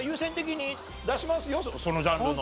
そのジャンルの。